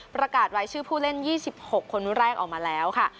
ประกาศรายชื่อผู้เล่น๒๖คนแรกออกมาแล้วค่ะ